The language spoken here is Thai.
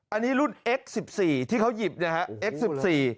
อันนี้รุ่นเอ็กซ์สิบสี่ที่เขาหยิบเนี่ยฮะเอ็กซสิบสี่